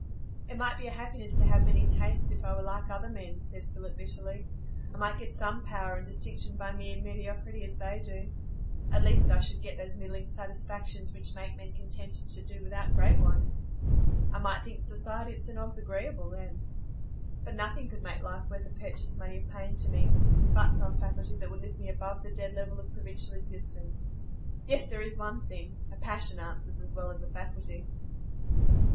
"It might be a happiness to have many tastes if I were like other men," said Philip, bitterly. "I might get some power and distinction by mere mediocrity, as they do; at least I should get those middling satisfactions which make men contented to do without great ones. I might think society at St Ogg's agreeable then. But nothing could make life worth the purchase money of pain to me, but some faculty that would lift me above the dead level of provincial existence. Yes, there is one thing,—a passion answers as well as a faculty."